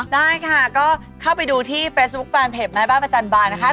ได้ค่ะก็เข้าไปดูที่เฟซบุ๊คแฟนเพจแม่บ้านประจันบาลนะคะ